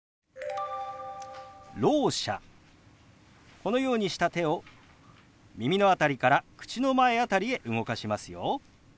このようにした手を耳の辺りから口の前辺りへ動かしますよ。